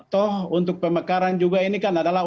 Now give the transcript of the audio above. toh untuk pemekaran juga ini kan adalah